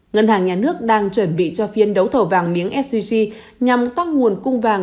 ngân hàng nhà nước đang chuẩn bị cho phiên đấu thầu vàng miếng sgc nhằm tăng nguồn cung vàng